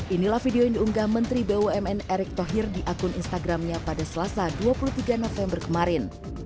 inilah video yang diunggah menteri bumn erick thohir di akun instagramnya pada selasa dua puluh tiga november kemarin